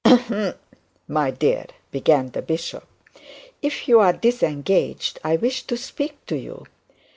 'Ahem my dear,' began the bishop, 'if you are disengaged, I wished to speak to you.'